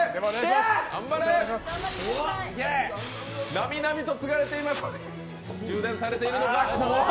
なみなみとつがれています。